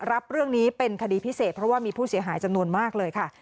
รับเรื่องนี้เป็นคดีพิเศษเพราะว่ามีผู้เสียหายจำนวนมากเลยค่ะ